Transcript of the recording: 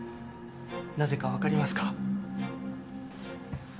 なぜか分かりますか？